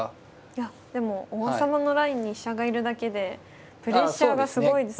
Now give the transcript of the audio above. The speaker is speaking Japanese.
いやでも王様のラインに飛車がいるだけでプレッシャーがすごいですもんね。